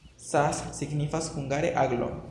Sas signifas hungare: aglo.